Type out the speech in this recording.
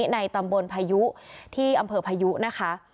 ในตำบลพายุที่อำเภอพายุนะคะ